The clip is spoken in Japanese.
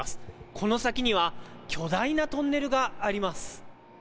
この先には、巨大なトンネルがあります。